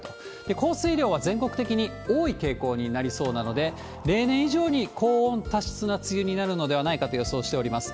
降水量は全国的に多い傾向になりそうなので、例年以上に高温多湿な梅雨になるのではないかと予想しております。